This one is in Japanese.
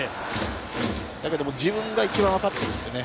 だけども自分が一番わかってるんですよね。